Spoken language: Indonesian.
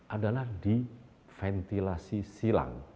adalah di ventilasi silang